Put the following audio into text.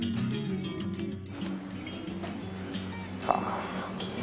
ああ。